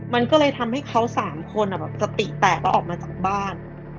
มันก็เลยทำให้เขาสามคนแบบสติแตกออกมาจากบ้าน